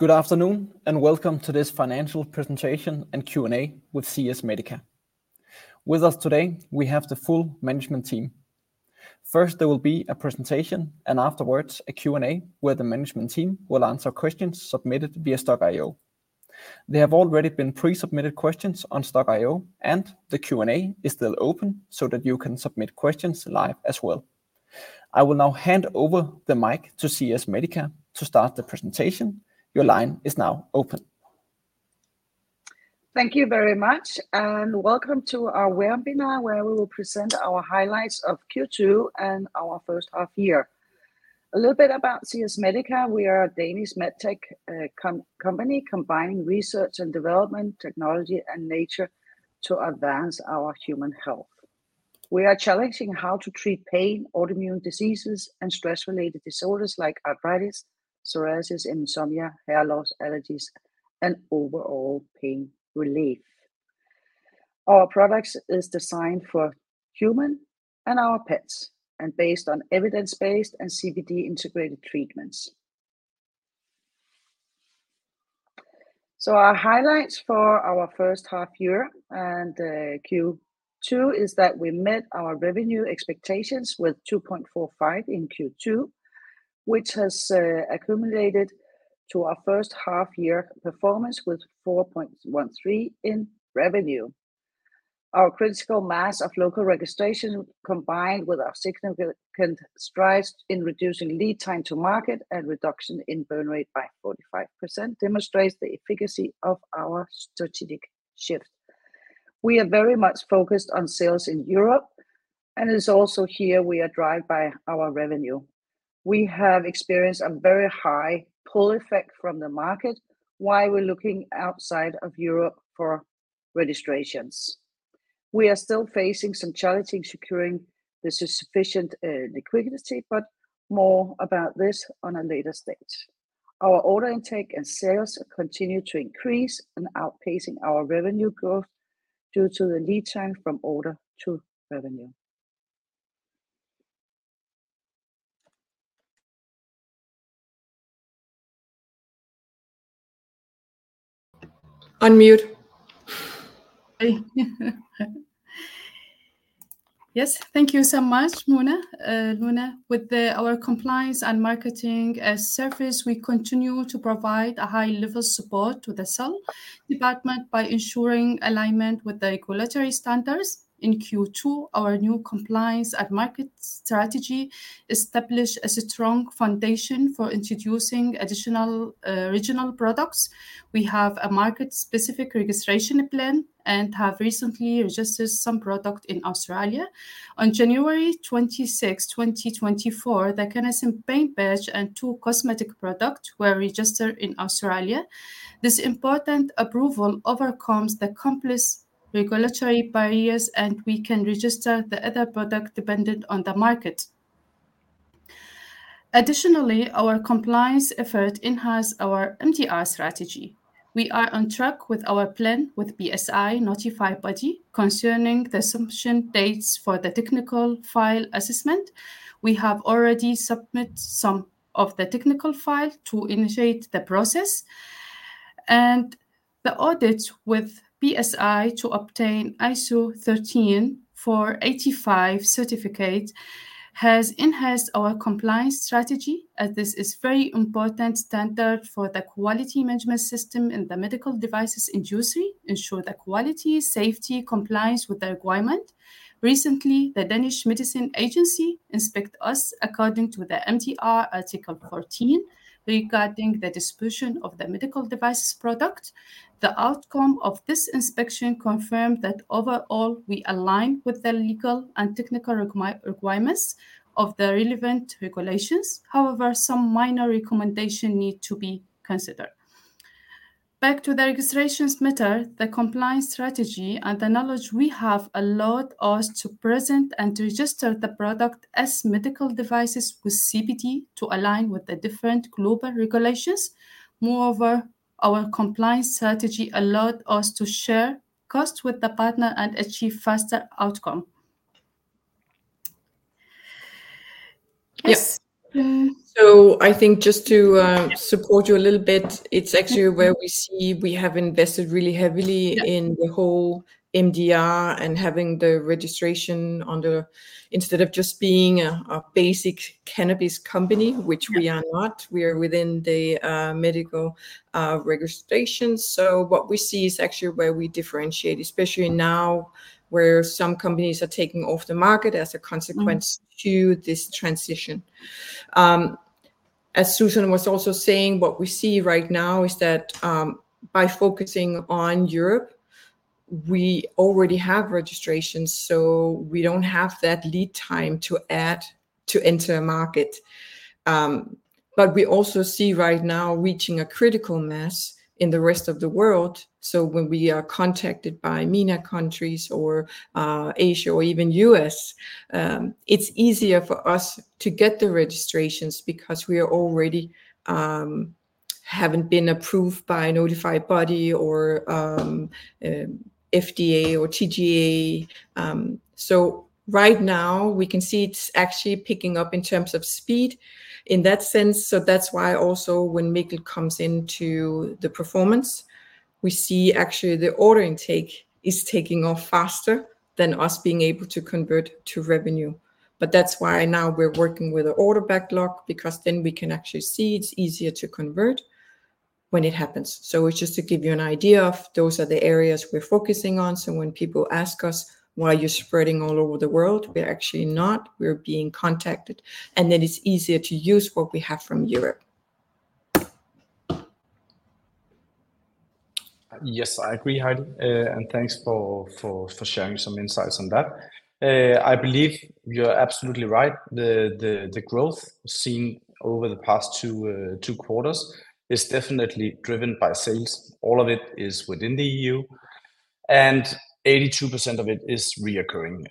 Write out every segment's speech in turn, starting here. Good afternoon, and welcome to this financial presentation and Q&A with CS MEDICA. With us today, we have the full management team. First, there will be a presentation, and afterwards, a Q&A, where the management team will answer questions submitted via Stokk.io. There have already been pre-submitted questions on Stokk.io, and the Q&A is still open so that you can submit questions live as well. I will now hand over the mic to CS MEDICA to start the presentation. Your line is now open. Thank you very much, and welcome to our webinar, where we will present our highlights of Q2 and our first half year. A little bit about CS MEDICA, we are a Danish MedTech company combining research and development, technology, and nature to advance our human health. We are challenging how to treat pain, autoimmune diseases, and stress-related disorders like arthritis, psoriasis, insomnia, hair loss, allergies, and overall pain relief. Our products is designed for human and our pets, and based on evidence-based and CBD-integrated treatments. So our highlights for our first half year and Q2 is that we met our revenue expectations with 2.45 in Q2, which has accumulated to our first half-year performance with 4.13 in revenue. Our critical mass of local registration, combined with our significant strides in reducing lead time to market and reduction in burn rate by 45%, demonstrates the efficacy of our strategic shift. We are very much focused on sales in Europe, and it is also here we are driven by our revenue. We have experienced a very high pull effect from the market, while we're looking outside of Europe for registrations. We are still facing some challenging securing the sufficient liquidity, but more about this on a later stage. Our order intake and sales continue to increase and outpacing our revenue growth due to the lead time from order to revenue. Unmute. Yes, thank you so much, Lone. With our compliance and marketing as service, we continue to provide a high-level support to the sales department by ensuring alignment with the regulatory standards. In Q2, our new compliance and market strategy established as a strong foundation for introducing additional, regional products. We have a market-specific registration plan and have recently registered some product in Australia. On January 26th, 2024, the CANNASEN Pain Patch and two cosmetic product were registered in Australia. This important approval overcomes the complex regulatory barriers, and we can register the other product, dependent on the market. Additionally, our compliance effort enhance our MDR strategy. We are on track with our plan with BSI notified body concerning the submission dates for the technical file assessment. We have already submitted some of the technical file to initiate the process, and the audit with BSI to obtain ISO 13485 certificate has enhanced our compliance strategy, as this is very important standard for the quality management system in the medical devices industry, ensure the quality, safety, compliance with the requirement. Recently, the Danish Medicines Agency inspect us according to the MDR Article 14 regarding the distribution of the medical devices product. The outcome of this inspection confirmed that overall, we align with the legal and technical requirements of the relevant regulations. However, some minor recommendation need to be considered. Back to the registrations matter, the compliance strategy and the knowledge we have allowed us to present and to register the product as medical devices with CBD to align with the different global regulations. Moreover, our compliance strategy allowed us to share costs with the partner and achieve faster outcome. Yes, Yeah. I think just to support you a little bit, it's actually where we see we have invested really heavily- Yep... in the whole MDR and having the registration on the, instead of just being a basic cannabis company, which we are not, we are within the medical registration. So what we see is actually where we differentiate, especially now, where some companies are taking off the market as a consequence- Mm... to this transition. As Suzan was also saying, what we see right now is that, by focusing on Europe, we already have registrations, so we don't have that lead time to add to enter a market. But we also see right now, reaching a critical mass in the rest of the world, so when we are contacted by MENA countries or, Asia or even U.S., it's easier for us to get the registrations, because we are already, haven't been approved by a notified body or, FDA or TGA. So right now, we can see it's actually picking up in terms of speed in that sense. So that's why also when Mikkel comes into the performance, we see actually the order intake is taking off faster than us being able to convert to revenue. But that's why now we're working with an order backlog, because then we can actually see it's easier to convert when it happens. So it's just to give you an idea of those are the areas we're focusing on. So when people ask us, "Why are you spreading all over the world?" We're actually not. We're being contacted, and then it's easier to use what we have from Europe. Yes, I agree, Heidi, and thanks for sharing some insights on that. I believe you're absolutely right. The growth seen over the past two quarters is definitely driven by sales. All of it is within the EU, and 82% of it is recurring.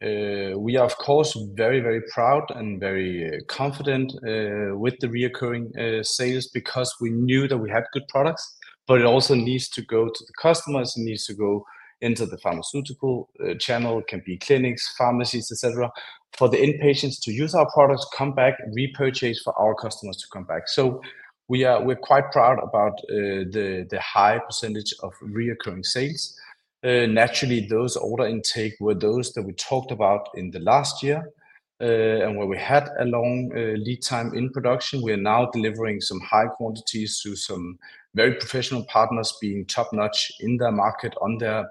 We are, of course, very proud and very confident with the recurring sales because we knew that we had good products, but it also needs to go to the customers. It needs to go into the pharmaceutical channel. It can be clinics, pharmacies, et cetera, for the end patients to use our products, come back, repurchase, for our customers to come back. So we're quite proud about the high percentage of recurring sales. Naturally, those order intake were those that we talked about in the last year, and where we had a long lead time in production. We are now delivering some high quantities through some very professional partners, being top-notch in their market on their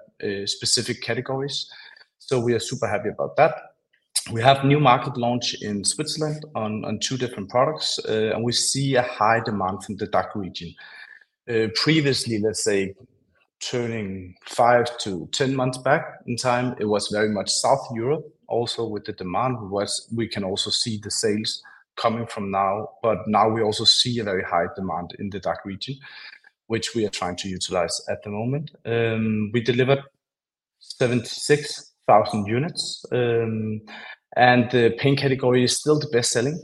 specific categories, so we are super happy about that. We have new market launch in Switzerland on two different products, and we see a high demand from the DACH region. Previously, let's say turning 5 months to 10 months back in time, it was very much South Europe. Also with the demand was we can also see the sales coming from now, but now we also see a very high demand in the DACH region, which we are trying to utilize at the moment. We delivered 76,000 units, and the pain category is still the best-selling.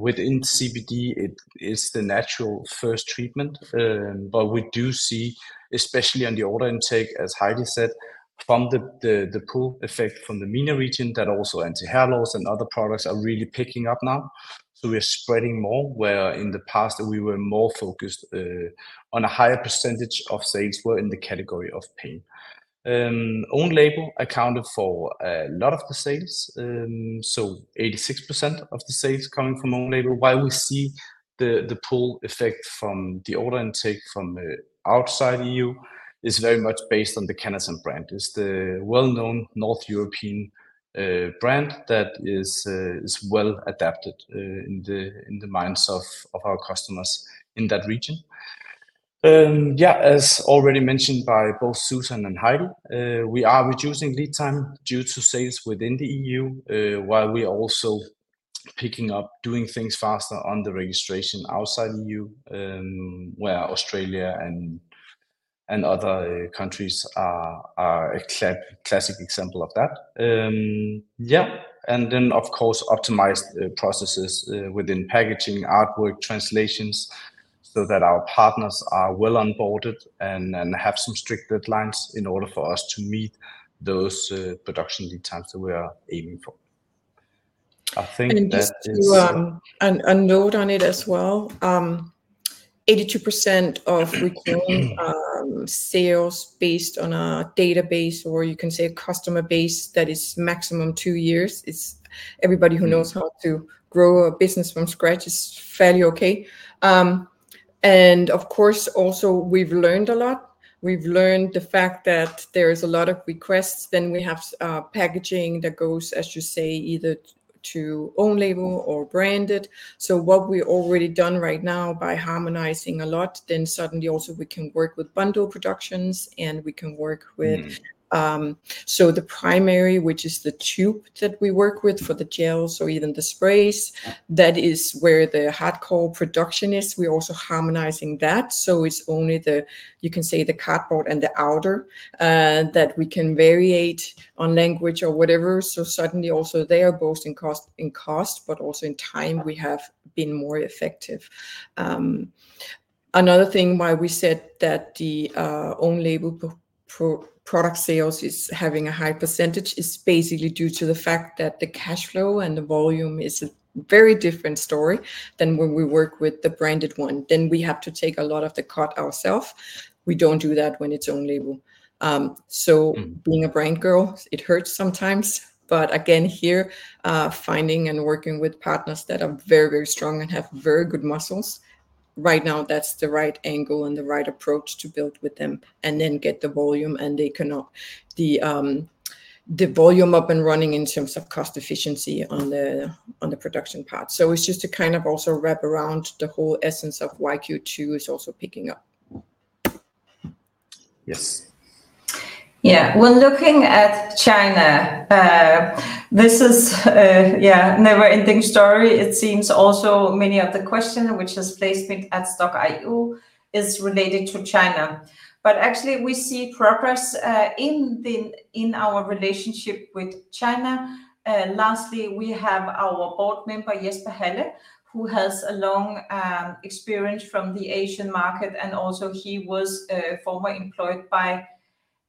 Within CBD, it is the natural first treatment. But we do see, especially on the order intake, as Heidi said, from the pull effect from the MENA region, that also anti-hair loss and other products are really picking up now. So we are spreading more, where in the past we were more focused on a higher percentage of sales were in the category of pain. own-label accounted for a lot of the sales, so 86% of the sales coming from own-label. While we see the pull effect from the order intake from outside EU is very much based on the CANNASEN brand. It's the well-known North European brand that is well adapted in the minds of our customers in that region. Yeah, as already mentioned by both Suzan and Heidi, we are reducing lead time due to sales within the EU, while we are also picking up doing things faster on the registration outside EU, where Australia and other countries are a classic example of that. Yeah, and then, of course, optimized processes within packaging, artwork, translations, so that our partners are well onboarded and have some strict deadlines in order for us to meet those production lead times that we are aiming for. I think that is- And just to note on it as well, 82% of recurring- Mm... sales based on our database, or you can say customer base, that is maximum two years. It's everybody who knows how to grow a business from scratch, it's fairly okay. And of course, also we've learned a lot. We've learned the fact that there is a lot of requests, then we have, packaging that goes, as you say, either to own-label or branded. So what we already done right now, by harmonizing a lot, then suddenly also we can work with bundle productions, and we can work with- Mm. So the primary, which is the tube that we work with for the gels or even the sprays, that is where the hard core production is. We're also harmonizing that, so it's only the, you can say, the cardboard and the outer, that we can variate on language or whatever. So suddenly also, they are both in cost, in cost, but also in time, we have been more effective. Another thing why we said that the own-label product sales is having a high percentage is basically due to the fact that the cash flow and the volume is a very different story than when we work with the branded one, then we have to take a lot of the cut ourself. We don't do that when it's own-label. So- Mm... being a brand girl, it hurts sometimes, but again, here, finding and working with partners that are very, very strong and have very good muscles, right now, that's the right angle and the right approach to build with them and then get the volume, and they can up the volume up and running in terms of cost efficiency on the production part. So it's just to kind of also wrap around the whole essence of why Q2 is also picking up. Yes. Yeah. When looking at China, this is, yeah, a never-ending story. It seems many of the questions, which are placed at Stokk.io, are related to China, but actually we see progress in our relationship with China. Lastly, we have our board member, Jesper Halle, who has a long experience from the Asian market, and also he was formerly employed by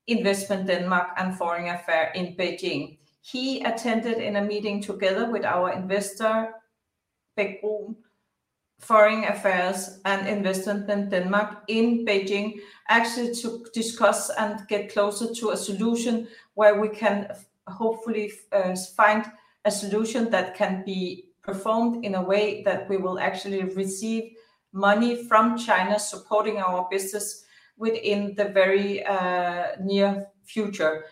Invest in Denmark and Foreign Affairs in Beijing. He attended a meeting together with our investor, Foreign Affairs and Invest in Denmark in Beijing, actually to discuss and get closer to a solution where we can hopefully find a solution that can be performed in a way that we will actually receive money from China, supporting our business within the very near future.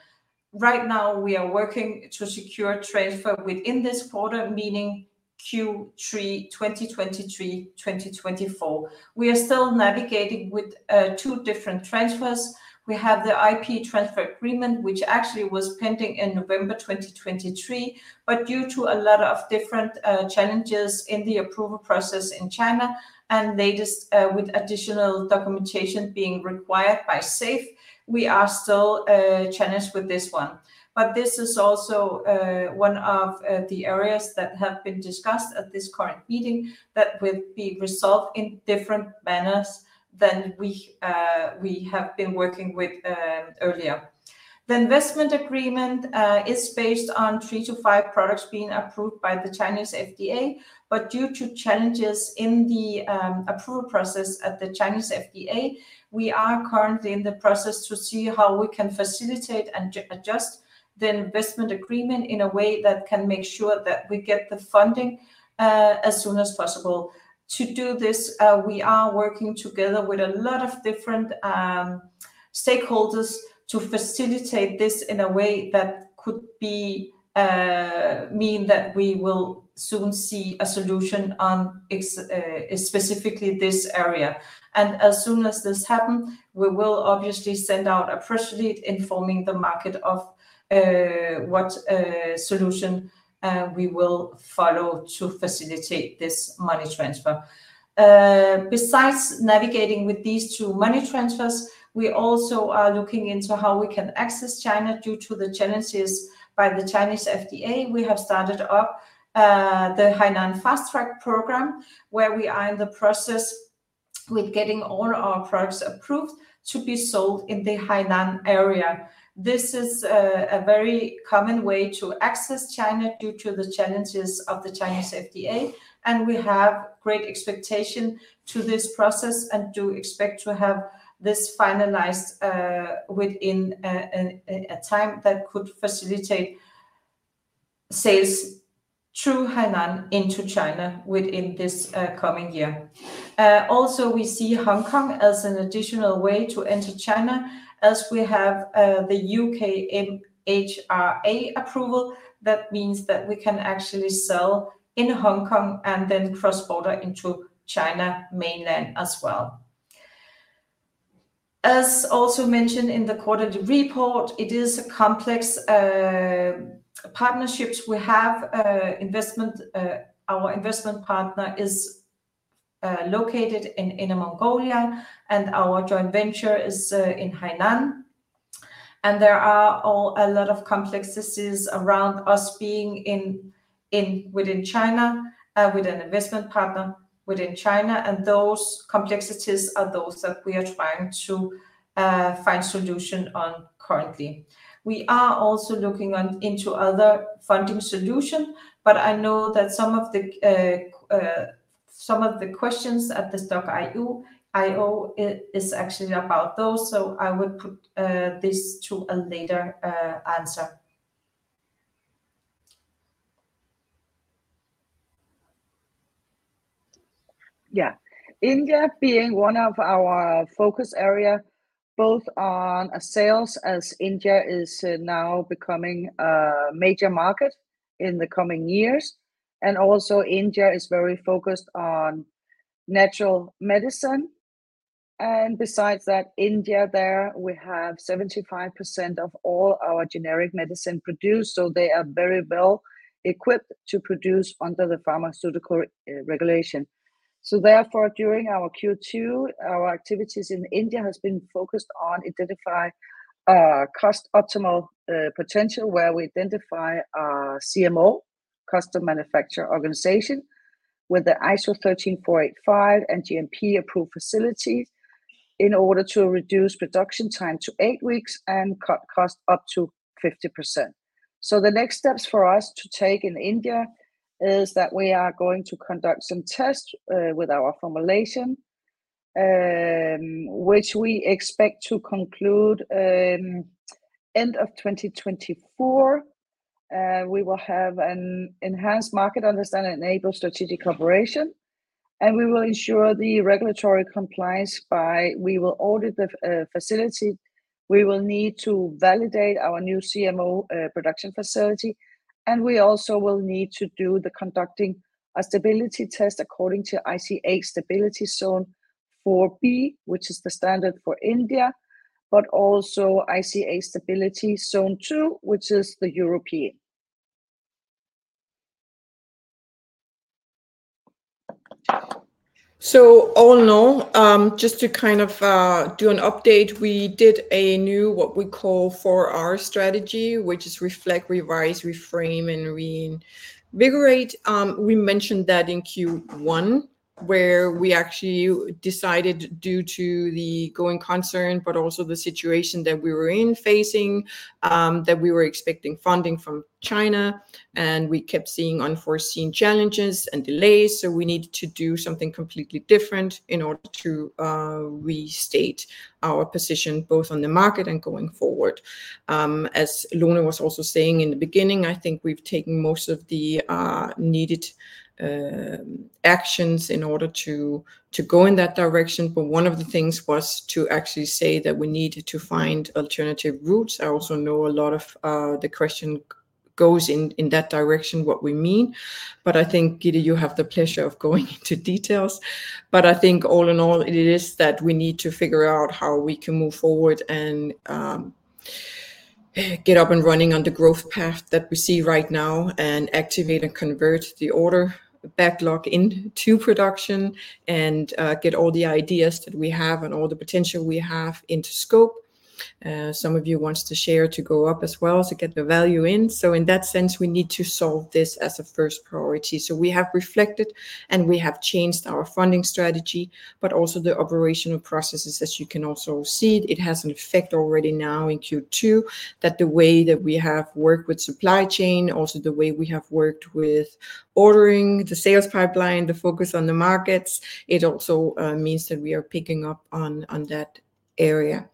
Right now, we are working to secure transfer within this quarter, meaning Q3 2023-2024. We are still navigating with two different transfers. We have the IP transfer agreement, which actually was pending in November 2023, but due to a lot of different challenges in the approval process in China, and latest with additional documentation being required by SAFE, we are still challenged with this one. But this is also one of the areas that have been discussed at this current meeting that will be resolved in different manners than we have been working with earlier. The investment agreement is based on 3-5 products being approved by the Chinese FDA. But due to challenges in the approval process at the Chinese FDA, we are currently in the process to see how we can facilitate and adjust the investment agreement in a way that can make sure that we get the funding as soon as possible. To do this, we are working together with a lot of different stakeholders to facilitate this in a way that could be mean that we will soon see a solution on ex- specifically this area. And as soon as this happen, we will obviously send out a press release informing the market of what solution we will follow to facilitate this money transfer. Besides navigating with these two money transfers, we also are looking into how we can access China due to the challenges by the Chinese FDA. We have started up the Hainan Fast Track program, where we are in the process with getting all our products approved to be sold in the Hainan area. This is a very common way to access China due to the challenges of the Chinese FDA, and we have great expectation to this process and do expect to have this finalized within a time that could facilitate sales through Hainan into China within this coming year. Also, we see Hong Kong as an additional way to enter China, as we have the U.K. MHRA approval. That means that we can actually sell in Hong Kong, and then cross-border into China mainland as well. As also mentioned in the quarterly report, it is a complex partnerships. We have investment... Our investment partner is located in Inner Mongolia, and our joint venture is in Hainan. There are a lot of complexities around us being within China with an investment partner within China, and those complexities are those that we are trying to find solution on currently. We are also looking into other funding solution, but I know that some of the questions at Stokk.io is actually about those, so I would put this to a later answer. Yeah. India being one of our focus area, both on sales, as India is now becoming a major market in the coming years, and also India is very focused on natural medicine. And besides that, India, there, we have 75% of all our generic medicine produced, so they are very well-equipped to produce under the pharmaceutical, regulation. So therefore, during our Q2, our activities in India has been focused on identify, cost optimal, potential, where we identify our CMO, contract manufacturing organization, with the ISO 13485 and GMP-approved facilities in order to reduce production time to eight weeks and cut cost up to 50%. So the next steps for us to take in India is that we are going to conduct some tests, with our formulation, which we expect to conclude, end of 2024. We will have an enhanced market understanding, enable strategic cooperation, and we will ensure the regulatory compliance by... We will audit the facility. We will need to validate our new CMO production facility, and we also will need to do the conducting a stability test according to ICH Stability Zone 4B, which is the standard for India, but also ICH Stability Zone 2, which is the European. So all in all, just to kind of, do an update, we did a new, what we call, 4R strategy, which is reflect, revise, reframe, and reinvigorate. We mentioned that in Q1.... where we actually decided due to the going concern, but also the situation that we were in facing, that we were expecting funding from China, and we kept seeing unforeseen challenges and delays. So we needed to do something completely different in order to restate our position, both on the market and going forward. As Lone was also saying in the beginning, I think we've taken most of the needed actions in order to go in that direction. But one of the things was to actually say that we needed to find alternative routes. I also know a lot of the question goes in that direction, what we mean, but I think, Gitte, you have the pleasure of going into details. But I think all in all, it is that we need to figure out how we can move forward and, get up and running on the growth path that we see right now, and activate and convert the order backlog into production, and, get all the ideas that we have and all the potential we have into scope. Some of you wants to share to go up as well to get the value in. So in that sense, we need to solve this as a first priority. So we have reflected, and we have changed our funding strategy, but also the operational processes, as you can also see. It has an effect already now in Q2, that the way that we have worked with supply chain, also the way we have worked with ordering, the sales pipeline, the focus on the markets, it also means that we are picking up on, on that area.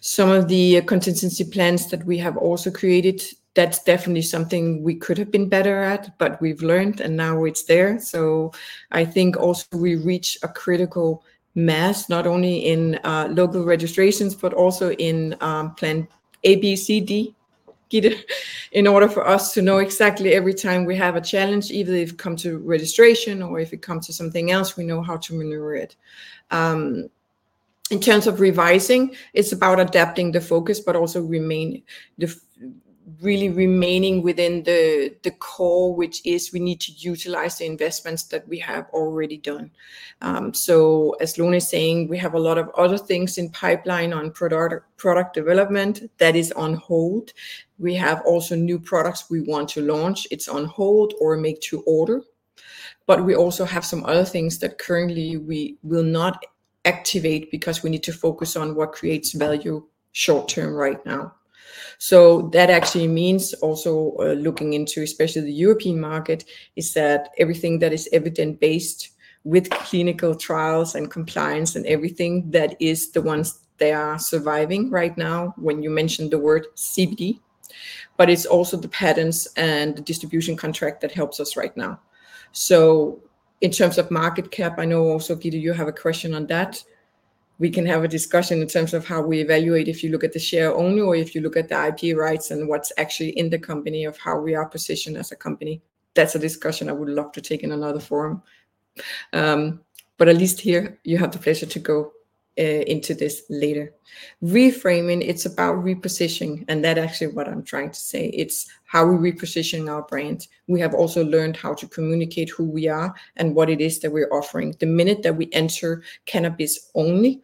Some of the contingency plans that we have also created, that's definitely something we could have been better at, but we've learned, and now it's there. So I think also we reach a critical mass, not only in local registrations, but also in plan A, B, C, D, Gitte, in order for us to know exactly every time we have a challenge, either if it come to registration or if it come to something else, we know how to maneuver it. In terms of revising, it's about adapting the focus, but also remain really remaining within the, the core, which is we need to utilize the investments that we have already done. So as Lone is saying, we have a lot of other things in pipeline on product development that is on hold. We have also new products we want to launch. It's on hold or make to order. But we also have some other things that currently we will not activate because we need to focus on what creates value short term right now. So that actually means also, looking into, especially the European market, is that everything that is evidence-based with clinical trials and compliance and everything, that is the ones they are surviving right now, when you mention the word CBD. But it's also the patents and the distribution contract that helps us right now. So in terms of market cap, I know also, Gitte, you have a question on that. We can have a discussion in terms of how we evaluate, if you look at the share only, or if you look at the IP rights and what's actually in the company of how we are positioned as a company. That's a discussion I would love to take in another forum. But at least here, you have the pleasure to go into this later. Reframing, it's about repositioning, and that actually what I'm trying to say, it's how we reposition our brand. We have also learned how to communicate who we are and what it is that we're offering. The minute that we enter cannabis only,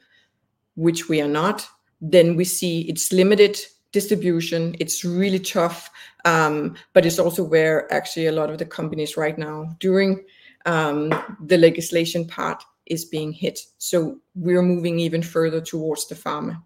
which we are not, then we see it's limited distribution. It's really tough, but it's also where actually a lot of the companies right now during the legislation part is being hit. So we are moving even further towards the pharma.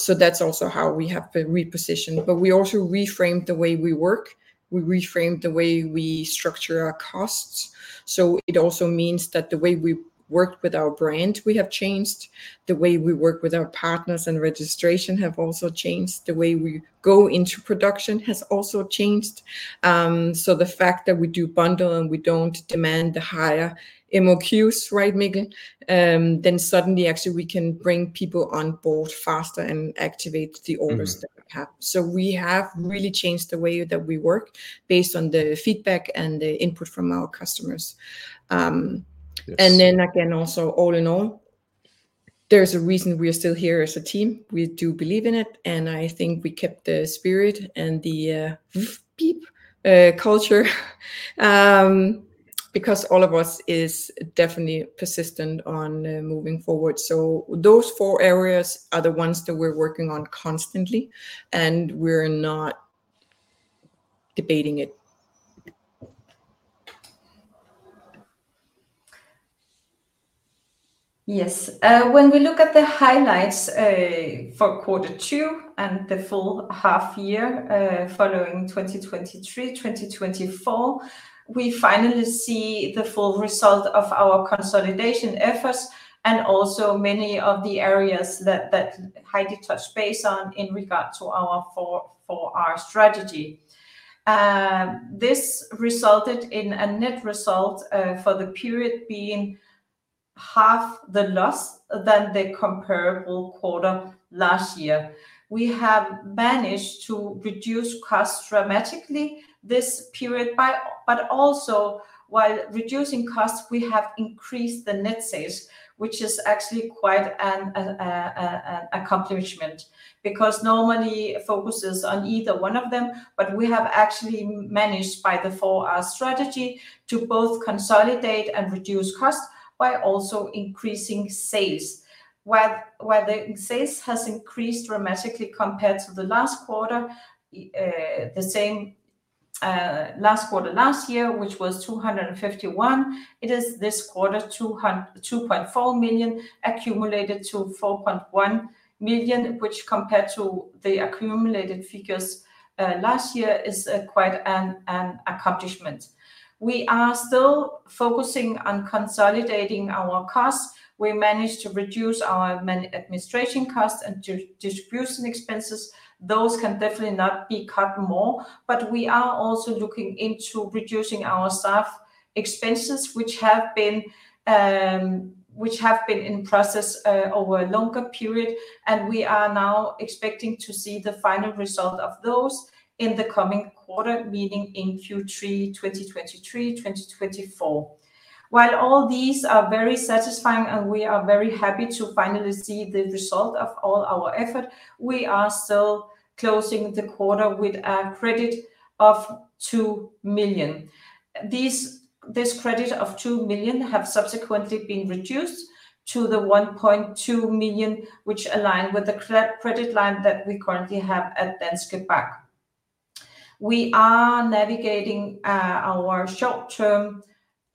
So that's also how we have been repositioned. But we also reframed the way we work. We reframed the way we structure our costs. So it also means that the way we work with our brand, we have changed. The way we work with our partners and registration have also changed. The way we go into production has also changed. So the fact that we do bundle and we don't demand the higher MOQs, right, Mikkel, then suddenly, actually, we can bring people on board faster and activate the orders that we have. Mm-hmm. So we have really changed the way that we work based on the feedback and the input from our customers. Yes. And then again, also, all in all, there's a reason we are still here as a team. We do believe in it, and I think we kept the spirit and the [vroom, beep, culture], because all of us is definitely persistent on moving forward. So those four areas are the ones that we're working on constantly, and we're not debating it. Yes, when we look at the highlights, for quarter two and the full half year, following 2023, 2024, we finally see the full result of our consolidation efforts and also many of the areas that, that Heidi touched base on in regard to our 4R strategy. This resulted in a net result, for the period being half the loss than the comparable quarter last year. We have managed to reduce costs dramatically this period by... But also, while reducing costs, we have increased the net sales, which is actually quite an accomplishment, because normally, it focuses on either one of them, but we have actually managed by the 4R strategy to both consolidate and reduce costs by also increasing sales. While the sales has increased dramatically compared to the last quarter, the same-... Last quarter last year, which was 251, it is this quarter 2.4 million, accumulated to 4.1 million, which compared to the accumulated figures last year is quite an accomplishment. We are still focusing on consolidating our costs. We managed to reduce our administration costs and distribution expenses. Those can definitely not be cut more, but we are also looking into reducing our staff expenses, which have been in process over a longer period, and we are now expecting to see the final result of those in the coming quarter, meaning in Q3, 2023, 2024. While all these are very satisfying and we are very happy to finally see the result of all our effort, we are still closing the quarter with a credit of 2 million. This credit of 2 million has subsequently been reduced to the 1.2 million, which align with the credit line that we currently have at Danske Bank. We are navigating our short-term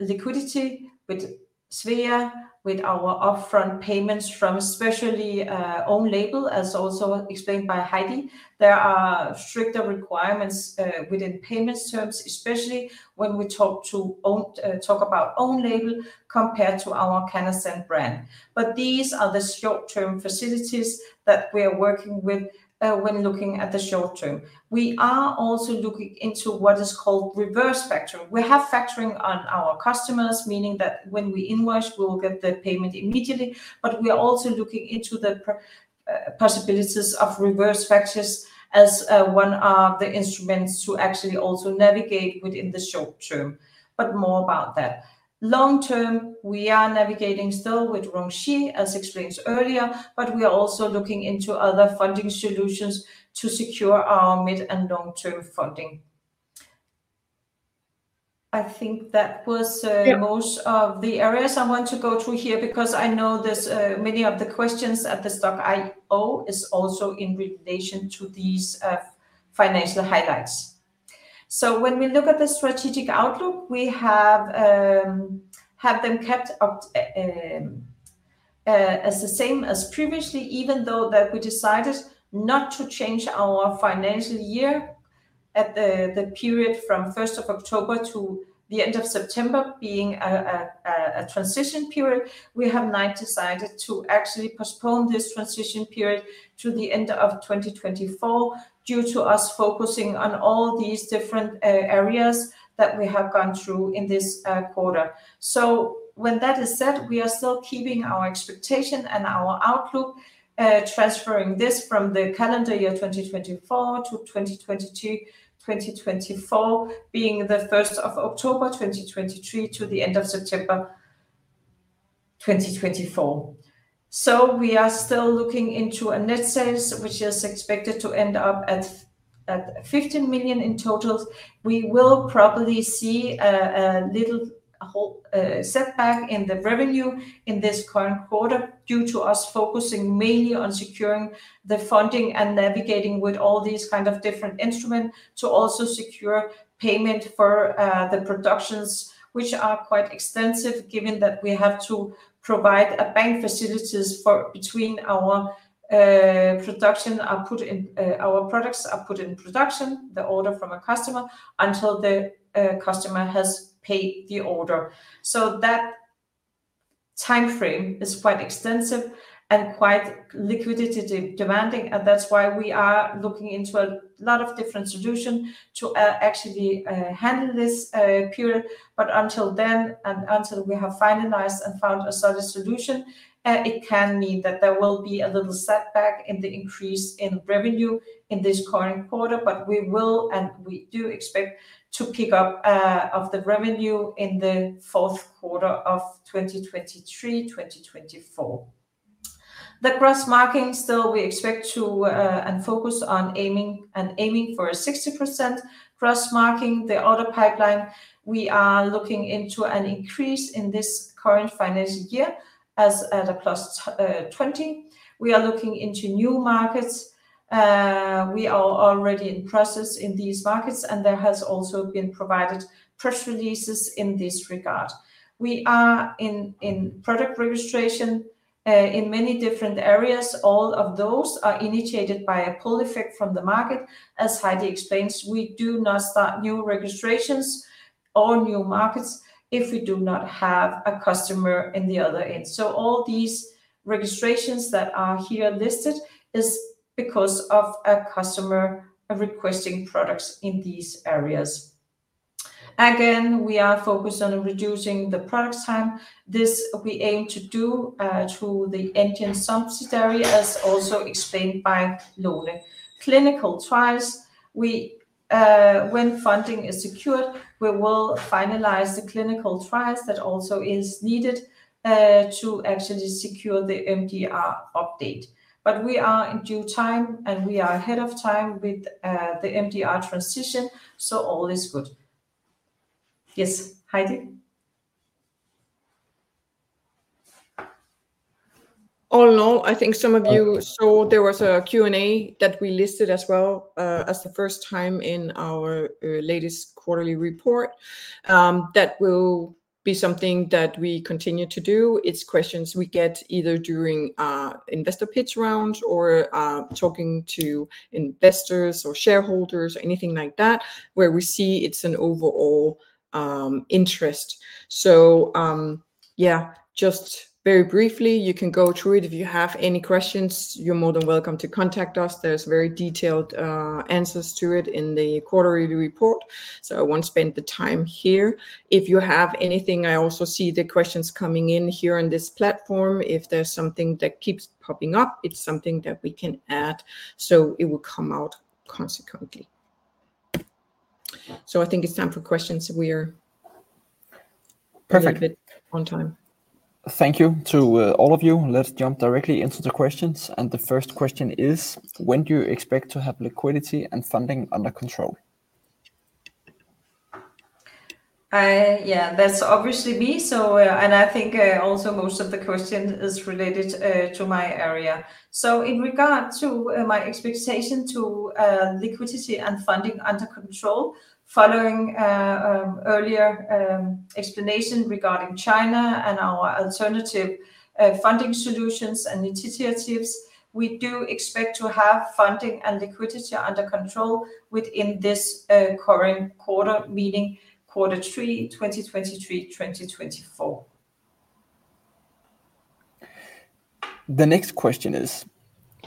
liquidity with Svea, with our upfront payments from especially own-label, as also explained by Heidi. There are stricter requirements within payments terms, especially when we talk about own-label, compared to our CANNASEN brand. But these are the short-term facilities that we're working with when looking at the short term. We are also looking into what is called reverse factoring. We have factoring on our customers, meaning that when we invoice, we will get the payment immediately, but we are also looking into the possibilities of reverse factoring as one of the instruments to actually also navigate within the short term, but more about that. Long term, we are navigating still with RongShi, as explained earlier, but we are also looking into other funding solutions to secure our mid and long-term funding. I think that was. Yeah... most of the areas I want to go through here, because I know there's many of the questions at the Stokk.io is also in relation to these financial highlights. So when we look at the strategic outlook, we have them kept up as the same as previously, even though that we decided not to change our financial year at the period from first of October to the end of September being a transition period. We have now decided to actually postpone this transition period to the end of 2024, due to us focusing on all these different areas that we have gone through in this quarter. So when that is said, we are still keeping our expectation and our outlook, transferring this from the calendar year 2024 to 2023, 2024, being the first of October 2023 to the end of September 2024. So we are still looking into a net sales, which is expected to end up at 15 million in total. We will probably see a little setback in the revenue in this current quarter, due to us focusing mainly on securing the funding and navigating with all these kind of different instruments to also secure payment for the productions, which are quite extensive, given that we have to provide a bank facilities for between our products are put in production, the order from a customer, until the customer has paid the order. So that timeframe is quite extensive and quite liquidity demanding, and that's why we are looking into a lot of different solutions to actually handle this period. But until then, and until we have finalized and found a solid solution, it can mean that there will be a little setback in the increase in revenue in this current quarter, but we will, and we do expect to pick up of the revenue in the fourth quarter of 2023, 2024. The gross margin, still, we expect to, and focus on aiming, and aiming for a 60% gross margin. The order pipeline, we are looking into an increase in this current financial year as at a +20. We are looking into new markets. We are already in process in these markets, and there has also been provided press releases in this regard. We are in, in product registration, in many different areas. All of those are initiated by a pull effect from the market. As Heidi explains, we do not start new registrations or new markets if we do not have a customer in the other end. So all these registrations that are here listed is because of a customer requesting products in these areas. Again, we are focused on reducing the product time. This we aim to do, through the Indian subsidiary, as also explained by Lone. Clinical trials, we, when funding is secured, we will finalize the clinical trials that also is needed, to actually secure the MDR update. But we are in due time, and we are ahead of time with the MDR transition, so all is good. Yes, Heidi?... All in all, I think some of you saw there was a Q&A that we listed as well as the first time in our latest quarterly report. That will be something that we continue to do. It's questions we get either during investor pitch rounds or talking to investors or shareholders or anything like that, where we see it's an overall interest. So yeah, just very briefly, you can go through it. If you have any questions, you're more than welcome to contact us. There's very detailed answers to it in the quarterly report, so I won't spend the time here. If you have anything, I also see the questions coming in here on this platform. If there's something that keeps popping up, it's something that we can add, so it will come out consequently. So I think it's time for questions. We're- Perfect. On time. Thank you to, all of you. Let's jump directly into the questions, and the first question is: When do you expect to have liquidity and funding under control? Yeah, that's obviously me. So, and I think, also most of the question is related to my area. So in regard to my expectation to liquidity and funding under control, following earlier explanation regarding China and our alternative funding solutions and initiatives, we do expect to have funding and liquidity under control within this current quarter, meaning quarter three, 2023, 2024. The next question is: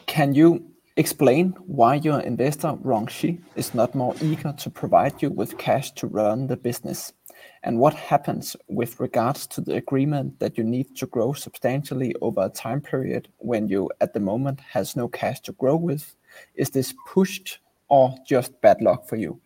can you explain why your investor, RongShi, is not more eager to provide you with cash to run the business? And what happens with regards to the agreement that you need to grow substantially over a time period when you, at the moment, has no cash to grow with? Is this pushed or just bad luck for you?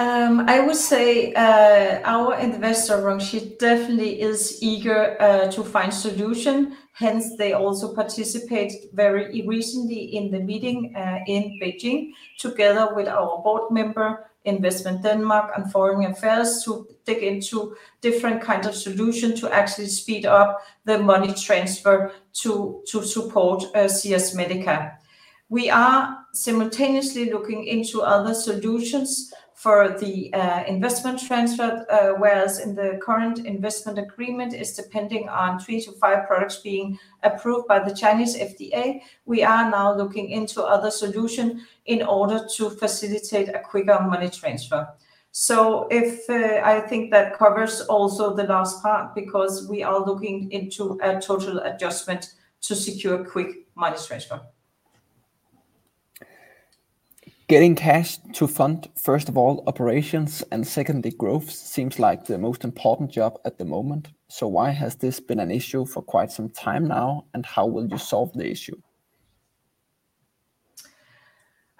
I would say, our investor, RongShi, definitely is eager to find solution. Hence, they also participate very recently in the meeting in Beijing, together with our board member, Invest in Denmark and Ministry of Foreign Affairs, to dig into different kind of solution to actually speed up the money transfer to support CS MEDICA. We are simultaneously looking into other solutions for the investment transfer, whereas in the current investment agreement is depending on 3-5 products being approved by the Chinese FDA. We are now looking into other solution in order to facilitate a quicker money transfer. So I think that covers also the last part, because we are looking into a total adjustment to secure quick money transfer. Getting cash to fund, first of all, operations and secondly, growth, seems like the most important job at the moment. So why has this been an issue for quite some time now, and how will you solve the issue?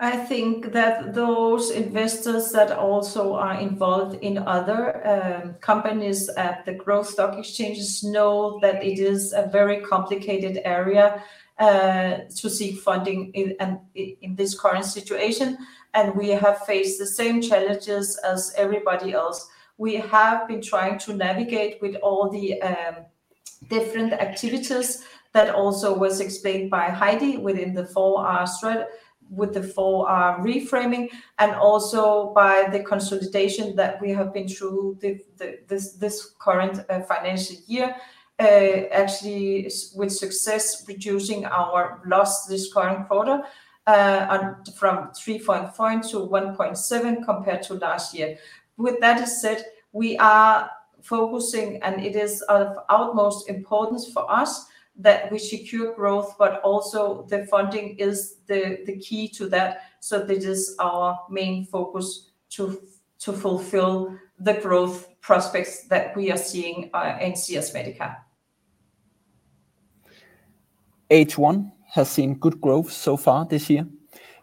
I think that those investors that also are involved in other companies at the growth stock exchanges know that it is a very complicated area to seek funding in in this current situation, and we have faced the same challenges as everybody else. We have been trying to navigate with all the different activities that also was explained by Heidi within the 4R strategy, with the 4R reframing, and also by the consolidation that we have been through this current financial year actually with success, reducing our loss this current quarter, and from 3.5 to 1.7 compared to last year. With that said, we are focusing, and it is of utmost importance for us, that we secure growth, but also the funding is the key to that. That is our main focus to fulfill the growth prospects that we are seeing in CS MEDICA. H1 has seen good growth so far this year.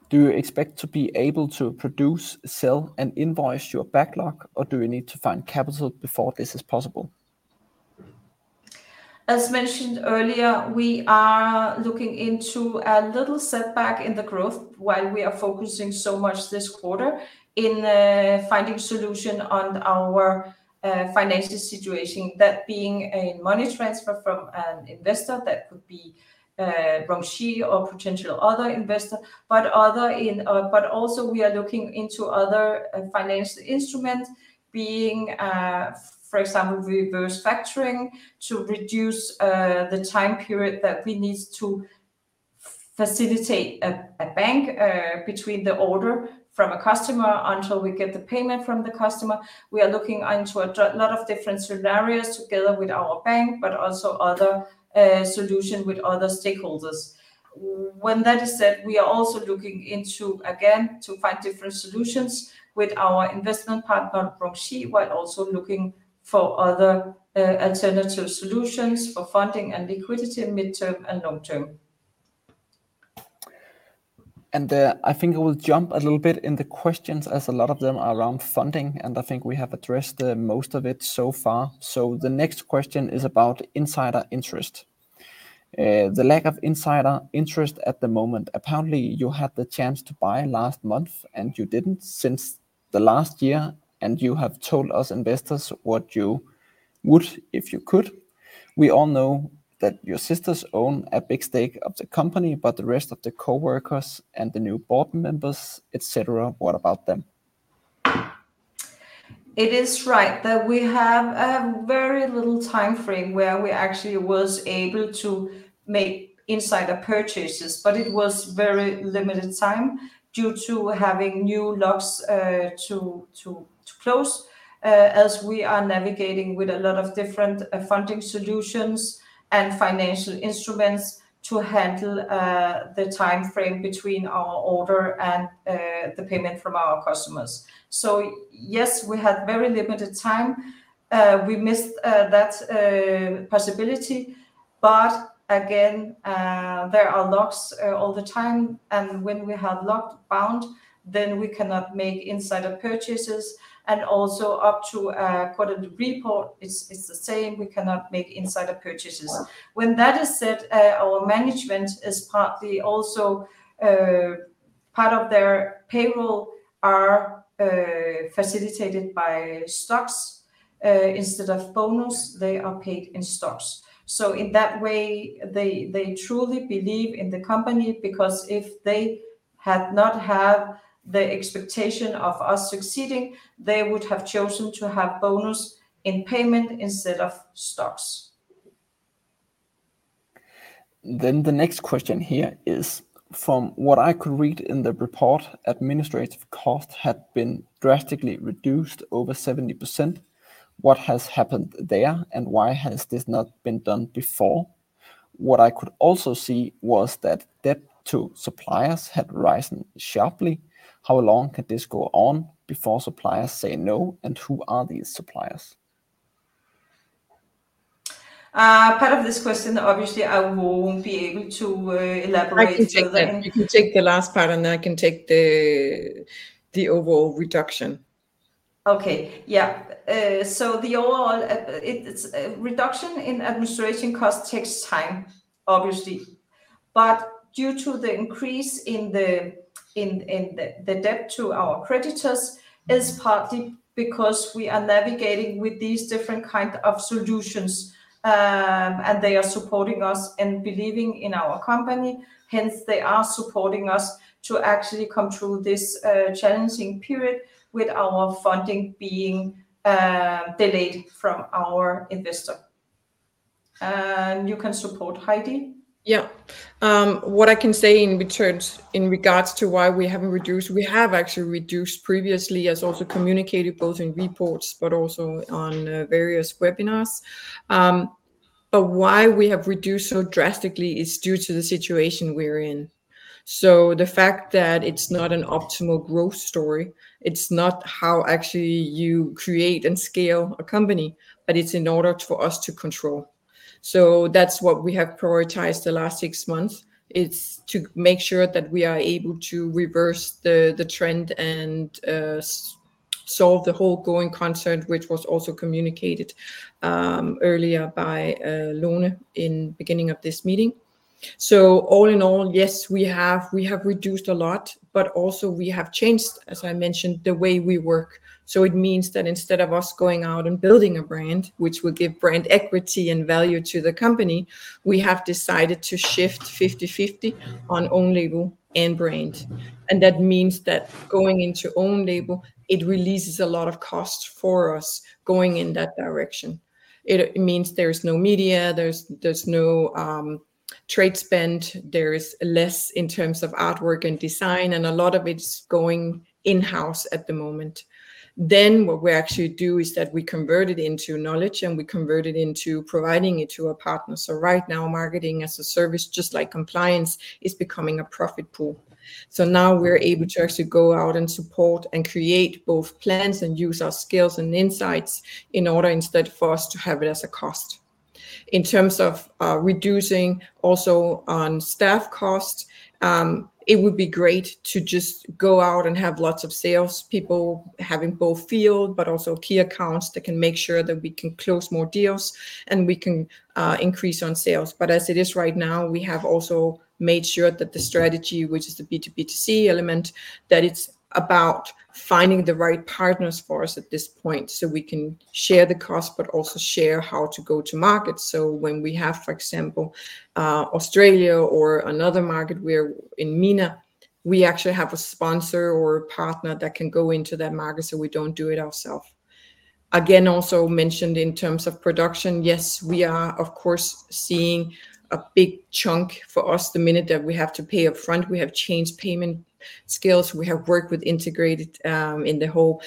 Do you expect to be able to produce, sell, and invoice your backlog, or do you need to find capital before this is possible? As mentioned earlier, we are looking into a little setback in the growth while we are focusing so much this quarter in finding solution on our financial situation, that being a money transfer from an investor, that could be RongShi or potential other investor. But also, we are looking into other financial instruments, being for example, reverse factoring, to reduce the time period that we need to facilitate a bank between the order from a customer until we get the payment from the customer. We are looking into a lot of different scenarios together with our bank, but also other solution with other stakeholders. When that is said, we are also looking into, again, to find different solutions with our investment partner, RongShi, while also looking for other, alternative solutions for funding and liquidity in mid-term and long term. I think I will jump a little bit in the questions, as a lot of them are around funding, and I think we have addressed the most of it so far. So the next question is about insider interest. The lack of insider interest at the moment, apparently you had the chance to buy last month, and you didn't since the last year, and you have told us investors what you would if you could. We all know that your sisters own a big stake of the company, but the rest of the coworkers and the new board members, et cetera, what about them? It is right that we have a very little timeframe where we actually was able to make insider purchases, but it was very limited time due to having new locks to close. As we are navigating with a lot of different funding solutions and financial instruments to handle the timeframe between our order and the payment from our customers. So yes, we had very limited time. We missed that possibility, but again, there are locks all the time, and when we have lock bound, then we cannot make insider purchases. And also up to quarter the report, it's the same, we cannot make insider purchases. When that is said, our management is partly also part of their payroll are facilitated by stocks. Instead of bonus, they are paid in stocks. In that way, they truly believe in the company, because if they had not had the expectation of us succeeding, they would have chosen to have bonus in payment instead of stocks. Then the next question here is, from what I could read in the report, administrative costs had been drastically reduced, over 70%. What has happened there, and why has this not been done before? What I could also see was that debt to suppliers had risen sharply. How long can this go on before suppliers say no, and who are these suppliers? Part of this question, obviously, I won't be able to elaborate- I can take that. You can take the last part, and I can take the overall reduction. Okay. Yeah. So the overall, it's reduction in administration cost takes time, obviously. But due to the increase in the debt to our creditors is partly because we are navigating with these different kind of solutions. And they are supporting us and believing in our company, hence they are supporting us to actually come through this challenging period with our funding being delayed from our investor. And you can support, Heidi. Yeah. What I can say in return, in regards to why we haven't reduced, we have actually reduced previously, as also communicated both in reports but also on, various webinars. But why we have reduced so drastically is due to the situation we're in. So the fact that it's not an optimal growth story, it's not how actually you create and scale a company, but it's in order for us to control. So that's what we have prioritized the last six months, it's to make sure that we are able to reverse the, the trend and, solve the whole going concern, which was also communicated, earlier by, Lone in beginning of this meeting. So all in all, yes, we have, we have reduced a lot, but also we have changed, as I mentioned, the way we work. So it means that instead of us going out and building a brand, which will give brand equity and value to the company, we have decided to shift 50/50 on own-label and brand. And that means that going into own-label, it releases a lot of costs for us going in that direction. It means there's no media, there's no trade spend, there is less in terms of artwork and design, and a lot of it's going in-house at the moment. Then what we actually do is that we convert it into knowledge, and we convert it into providing it to our partners. So right now, marketing as a service, just like compliance, is becoming a profit pool. So now we're able to actually go out and support and create both plans and use our skills and insights in order instead for us to have it as a cost. In terms of reducing also on staff costs, it would be great to just go out and have lots of salespeople, having both field but also key accounts, that can make sure that we can close more deals and we can increase on sales. But as it is right now, we have also made sure that the strategy, which is the B2B2C element, that it's about finding the right partners for us at this point, so we can share the cost, but also share how to go to market. So when we have, for example, Australia or another market where in MENA, we actually have a sponsor or a partner that can go into that market, so we don't do it ourselves. Again, also mentioned in terms of production, yes, we are, of course, seeing a big chunk for us the minute that we have to pay up front. We have changed payment scales, we have worked with integrated in the whole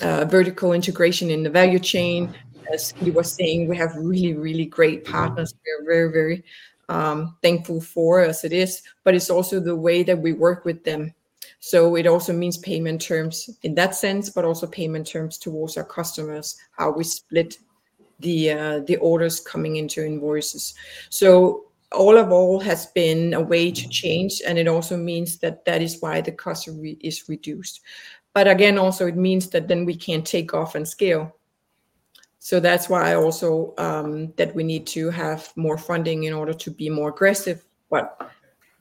vertical integration in the value chain. As he was saying, we have really, really great partners. We are very, very thankful for, as it is, but it's also the way that we work with them. So it also means payment terms in that sense, but also payment terms towards our customers, how we split the the orders coming into invoices. So-... All in all has been a way to change, and it also means that that is why the cost reduction is reduced. But again, also it means that then we can't take off and scale. So that's why also that we need to have more funding in order to be more aggressive. But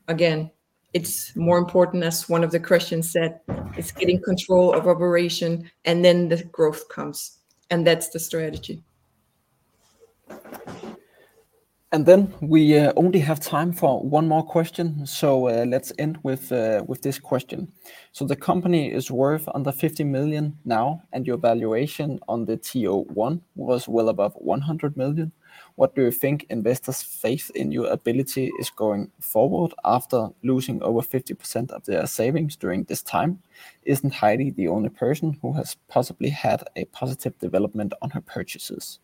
again, it's more important, as one of the questions said, it's getting control of operation, and then the growth comes, and that's the strategy. Then we only have time for one more question, so let's end with this question. So the company is worth under 50 million now, and your valuation on the TO1 was well above 100 million. What do you think investors' faith in your ability is going forward after losing over 50% of their savings during this time? Isn't Heidi the only person who has possibly had a positive development on her purchases?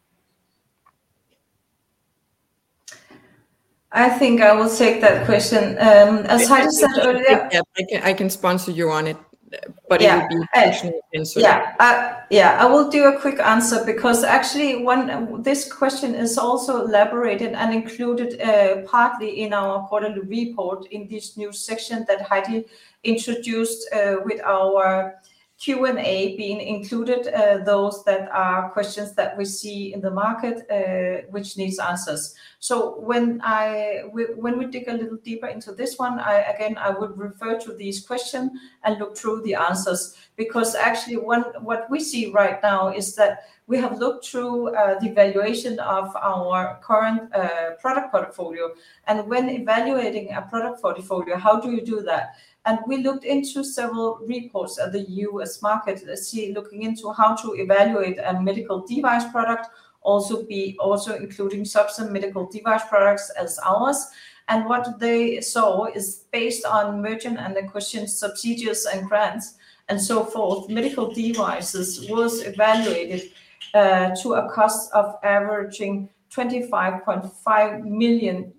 I think I will take that question. As Heidi said earlier- Yeah, I can, I can sponsor you on it. Yeah. But it would be partial answer. Yeah. Yeah, I will do a quick answer because actually, one this question is also elaborated and included partly in our quarterly report, in this new section that Heidi introduced, with our Q&A being included, those that are questions that we see in the market, which needs answers. So when we dig a little deeper into this one, I again, I would refer to this question and look through the answers, because actually, one what we see right now is that we have looked through the valuation of our current product portfolio. And when evaluating a product portfolio, how do you do that? And we looked into several reports at the U.S. market, see, looking into how to evaluate a medical device product, also including substance medical device products as ours. What they saw is based on Mergers and Acquisitions, subsidiaries and grants and so forth, medical devices was evaluated to a cost of averaging $25.5 million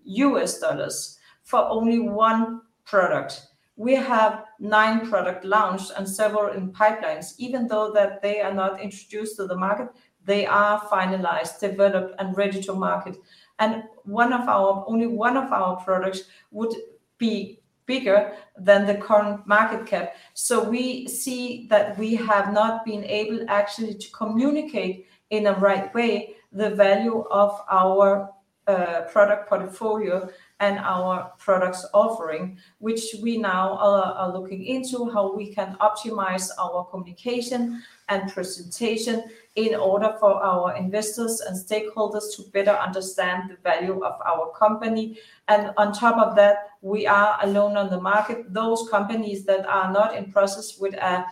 for only one product. We have nine products launched and several in pipelines. Even though that they are not introduced to the market, they are finalized, developed, and ready to market. And only one of our products would be bigger than the current market cap. So we see that we have not been able actually to communicate in a right way the value of our product portfolio and our products offering, which we now are looking into how we can optimize our communication and presentation in order for our investors and stakeholders to better understand the value of our company. And on top of that, we are alone on the market. Those companies that are not in process with a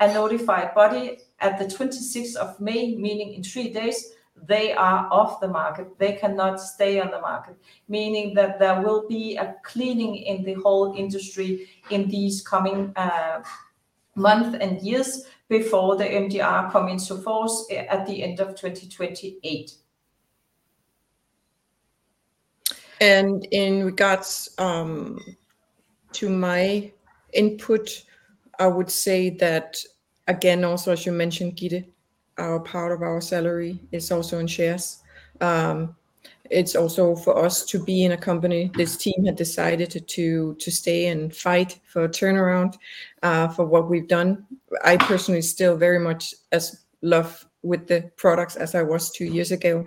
notified body at the 26 of May, meaning in three days, they are off the market. They cannot stay on the market, meaning that there will be a cleaning in the whole industry in these coming months and years before the MDR come into force at the end of 2028. In regards to my input, I would say that again, also, as you mentioned, Gitte, our part of our salary is also in shares. It's also for us to be in a company. This team had decided to stay and fight for a turnaround, for what we've done. I personally still very much in love with the products as I was two years ago.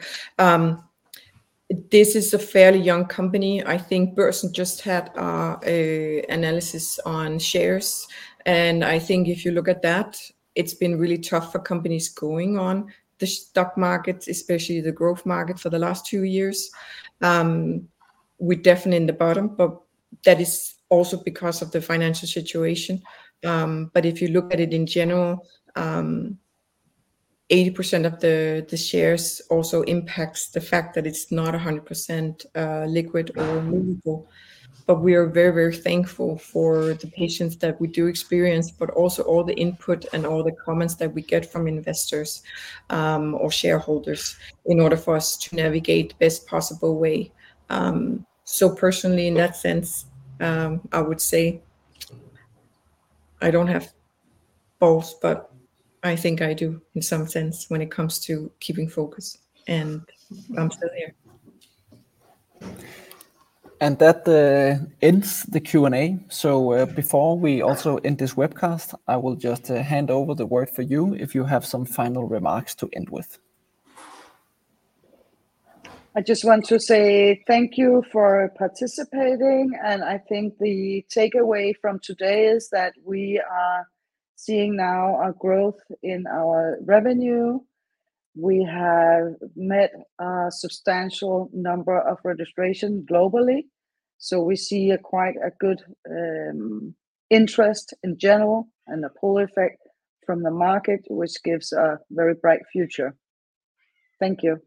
This is a fairly young company. I think Børsen just had an analysis on shares, and I think if you look at that, it's been really tough for companies going on the stock markets, especially the growth market, for the last two years. We're definitely in the bottom, but that is also because of the financial situation. But if you look at it in general, 80% of the, the shares also impacts the fact that it's not 100%, liquid or movable. But we are very, very thankful for the patience that we do experience, but also all the input and all the comments that we get from investors, or shareholders in order for us to navigate the best possible way. So personally, in that sense, I would say I don't have balls, but I think I do in some sense when it comes to keeping focus, and I'm still here. That ends the Q&A. Before we also end this webcast, I will just hand over the word for you if you have some final remarks to end with. I just want to say thank you for participating, and I think the takeaway from today is that we are seeing now a growth in our revenue. We have met a substantial number of registration globally, so we see quite a good interest in general and the pull effect from the market, which gives a very bright future. Thank you.